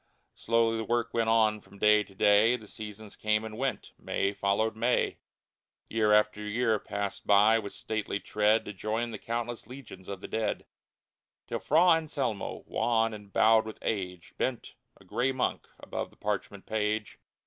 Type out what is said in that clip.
Slowly the work went on from day to day ; The seasons came and went ; May followed May ; Year after year passed by with stately tread To join the countless legions of the dead, Till Fra Anselmo, wan and bowed with age, Bent, a gray monk, above the parchment page.